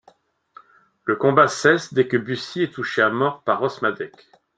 Le combat cesse dès que Bussy est touché à mort par Rosmadec.